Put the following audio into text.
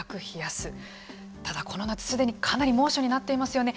ただ、この夏すでにかなり猛暑になっていますよね。